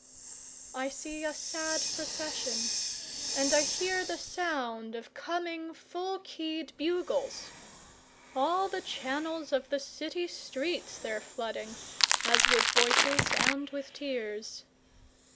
3I see a sad procession, And I hear the sound of coming full key'd bugles; All the channels of the city streets they're flooding, As with voices and with tears.